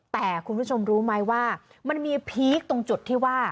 แต่คุณผู้ชมรู้ไหมว่ามันมีพีคตรงจุดที่ว่า